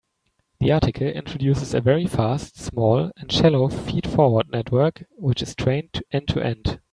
The article introduces a very fast, small, and shallow feed-forward network which is trained end-to-end.